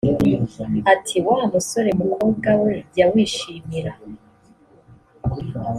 ati wa musore mukobwa we jya wishimira